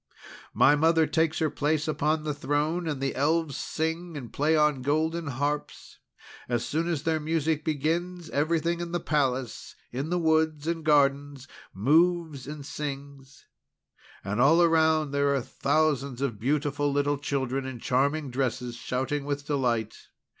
"My mother takes her place upon the throne, and the Elves sing, and play on golden harps. As soon as their music begins, everything in the palace and in the woods and gardens, moves and sings. And all around there are thousands of beautiful little children in charming dresses, shouting with delight.